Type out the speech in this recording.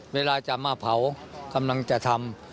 เวลาจะมาเผากำลังจะทำ